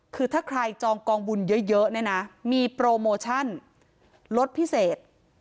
คือถ้าใครจองกองบุญเยอะเนี่ยนะมีโปรโมชั่นลดพิเศษ